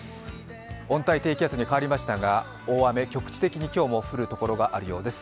温帯低気圧に変わりましたが、大雨局地的に降るところがありそうです。